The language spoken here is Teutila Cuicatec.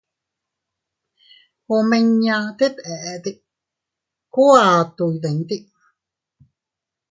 Omiña tet eete ku ato iydite.